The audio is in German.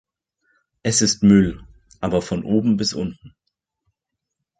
Es ist Müll, aber von oben bis unten.